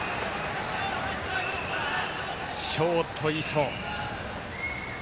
ショート、磯。